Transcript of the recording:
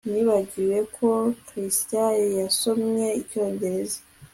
Nibagiwe ko Cristina yasomye icyongereza